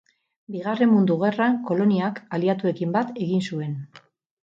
Bigarren Mundu Gerran koloniak Aliatuekin bat egin zuen.